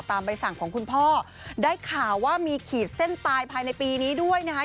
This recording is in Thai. ใบสั่งของคุณพ่อได้ข่าวว่ามีขีดเส้นตายภายในปีนี้ด้วยนะคะ